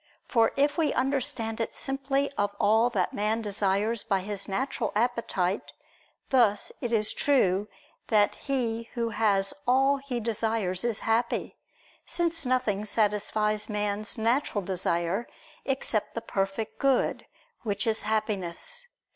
For if we understand it simply of all that man desires by his natural appetite, thus it is true that he who has all that he desires, is happy: since nothing satisfies man's natural desire, except the perfect good which is Happiness.